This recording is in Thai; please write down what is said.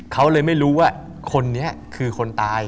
เขาเลยไม่รู้ว่าคนนี้คือคนตาย